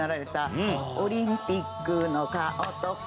「オリンピックの顔と顔」